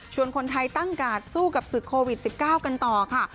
คนไทยตั้งการ์ดสู้กับศึกโควิด๑๙กันต่อค่ะ